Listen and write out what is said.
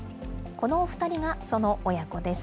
このお２人がその親子です。